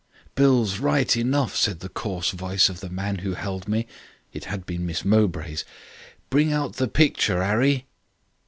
"'Bill's right enough,' said the coarse voice of the man who held me (it had been Miss Mowbray's). 'Bring out the picture, 'Arry.'